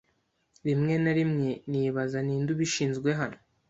Rimwe na rimwe nibaza ninde ubishinzwe hano.